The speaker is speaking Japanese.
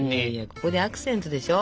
ここでアクセントでしょ？